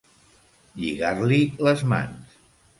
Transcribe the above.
Lligar-li les mans.